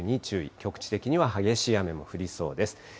局地的には激しい雨も降りそうです。